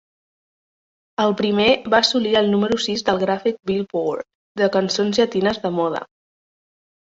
El primer va assolir el número sis del gràfic "Billboard" de cançons llatines de moda.